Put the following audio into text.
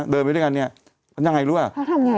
เดินไปด้วยกันนี่มันจะอย่างไรดูนี่